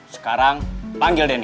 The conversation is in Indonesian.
sekarang panggil denny